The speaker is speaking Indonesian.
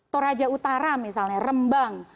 toraja utara misalnya rembang